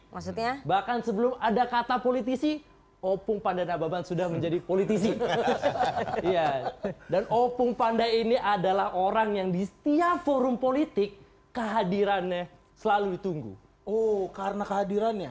menurutku ya bang hasan nazbini adalah politisi yang harus dicontoh oleh semua politisi